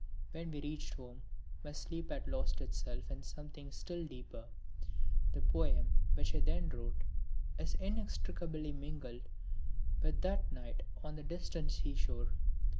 When we reached home my sleep had lost itself in something still deeper. The poem which I then wrote is inextricably mingled with that night on the distant seashore.